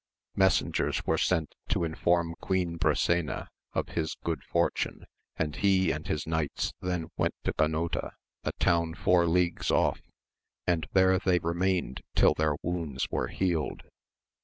Messengers were sent to infom Queen Brisena of his good fortune, and he and his knights then went to Ganota, a town four leagues off, and there they remained till their wounds were healed.